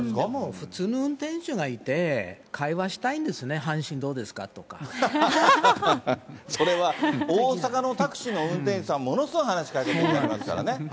でも普通の運転手がいて、会話したいんですね、阪神どうですそれは大阪のタクシーの運転手さん、ものすごい話しかけてきますからね。